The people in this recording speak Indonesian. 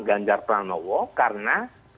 ganjar pranowo karena